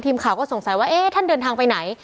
ทีมข่าวก็สงสัยว่าเอ๊ะท่านเดินทางไปไหน